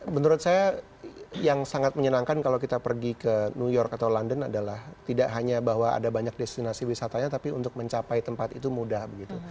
menurut saya yang sangat menyenangkan kalau kita pergi ke new york atau london adalah tidak hanya bahwa ada banyak destinasi wisatanya tapi untuk mencapai tempat itu mudah begitu